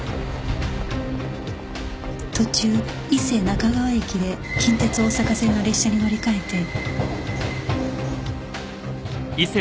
途中伊勢中川駅で近鉄大阪線の列車に乗り換えて